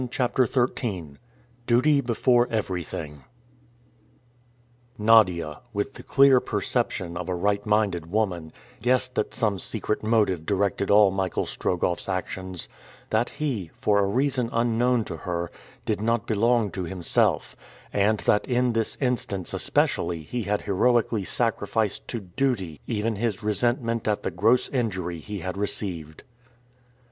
CHAPTER XIII DUTY BEFORE EVERYTHING NADIA, with the clear perception of a right minded woman, guessed that some secret motive directed all Michael Strogoff's actions; that he, for a reason unknown to her, did not belong to himself; and that in this instance especially he had heroically sacrificed to duty even his resentment at the gross injury he had received.